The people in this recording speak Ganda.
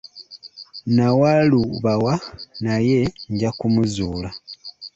Nnawalubawa naye nja kumuzuula.